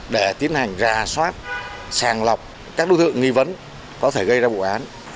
để tiến hành ra soát sàng lọc các đối tượng nghi vấn có thể gây ra bộ án